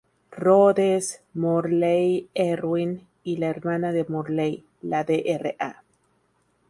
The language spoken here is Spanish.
Rhodes, Morley Erwin, y la hermana de Morley, la Dra.